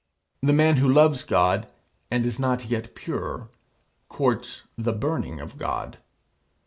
The man who loves God, and is not yet pure, courts the burning of God.